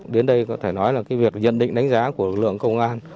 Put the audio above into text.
đến đây có thể nói là cái việc nhận định đánh giá của lực lượng công an